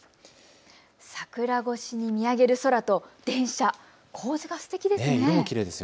桜越しに見上げる空、構図がすてきですね。